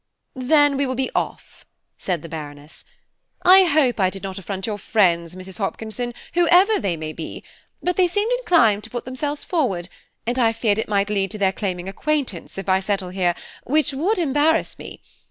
"Then we will be off," said the Baroness. "I hope I did not affront your friends, Mrs. Hopkinson, whoever they may be; but they seemed inclined to put themselves forward, and I feared it might lead to their claiming acquaintance if I settle here, which would embarrass me.